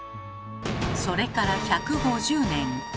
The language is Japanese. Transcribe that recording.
それから１５０年。